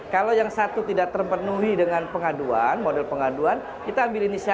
kalau yang satu tidak terpenuhi dengan pengaduan model pengaduan kita ambil inisiatif